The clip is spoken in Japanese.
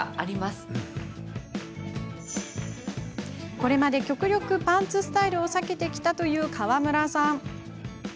これまで極力パンツスタイルを避けてきた川村さん。